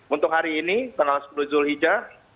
untuk hari ini tanggal sepuluh julhijjah